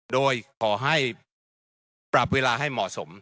โดยขอให้ปรับเวลาให้เหมาะสม